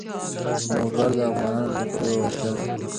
لوگر د افغانانو د تفریح یوه وسیله ده.